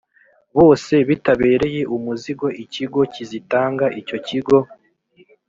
bose bitabereye umuzigo ikigo kizitanga icyo kigo